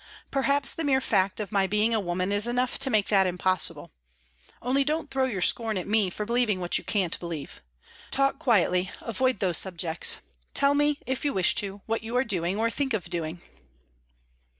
Perhaps the mere fact of my being a woman is enough to make that impossible. Only don't throw your scorn at me for believing what you can't believe. Talk quietly; avoid those subjects; tell me, if you wish to, what you are doing or think of doing."